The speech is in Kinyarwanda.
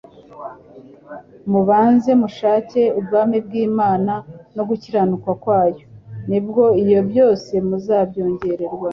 Mubanze mushake ubwami bw'Imana, no gukiranuka kwayo; ni bwo ibyo byose muzabyongerwa.